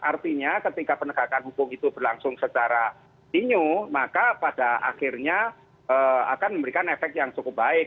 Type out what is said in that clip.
artinya ketika penegakan hukum itu berlangsung secara inyu maka pada akhirnya akan memberikan efek yang cukup baik